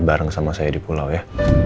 bareng sama saya di pulau ya